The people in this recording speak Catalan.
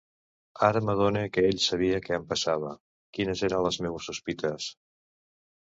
Ara m'adone que ell sabia què em passava; quines eren les meues sospites.